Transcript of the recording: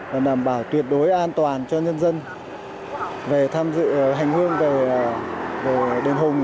và đảm bảo tuyệt đối an toàn cho nhân dân về tham dự hành hương về đền hùng